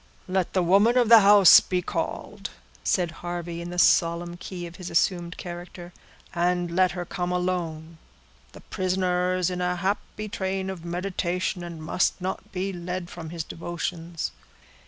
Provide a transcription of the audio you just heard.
"Let the woman of the house be called," said Harvey, in the solemn key of his assumed character; "and let her come alone. The prisoner is in a happy train of meditation, and must not be led from his devotions."